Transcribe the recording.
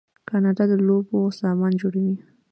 کاناډا د لوبو سامان جوړوي.